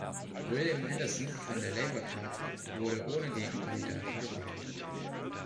William Anderson von der Labour Party wurde ohne Gegenkandidaten gewählt.